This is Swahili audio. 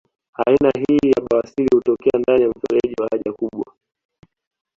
Aina hii ya bawasiri hutokea ndani ya mfereji wa haja kubwa